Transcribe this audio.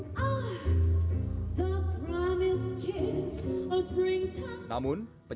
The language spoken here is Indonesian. namun penyebabnya adalah musik broadway